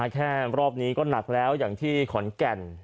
แค่รอบนี้ก็หนักแล้วอย่างที่ขอนแก่น